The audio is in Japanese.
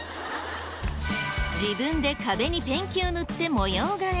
自分で壁にペンキを塗って模様替え。